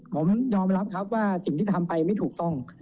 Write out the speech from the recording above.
ผมยอมรับครับว่าสิ่งที่ทำไปไม่ถูกต้อง